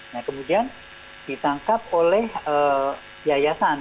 nah kemudian ditangkap oleh yayasan